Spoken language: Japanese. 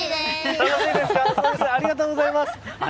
ありがとうございます。